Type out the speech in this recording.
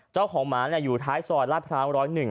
เจ้าของหมาอยู่ท้ายซอยลาดพร้าว๑๐๑